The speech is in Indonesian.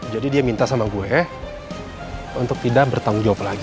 jadi dia minta sama gue untuk tidak bertanggung jawab lagi